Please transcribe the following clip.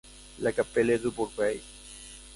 La Chapelle-du-Bourgay